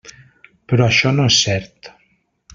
Però això no és cert.